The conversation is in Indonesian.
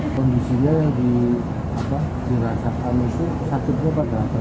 kondisinya yang dirasakan itu sakitnya pada apa